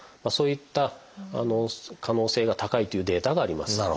そういった可能性が高いというデータがあります。